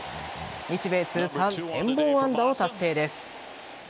日米通算１０００本安打を達成です。